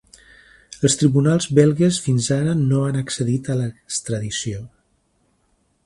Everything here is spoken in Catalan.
Els tribunals belgues fins ara no han accedit a l’extradició.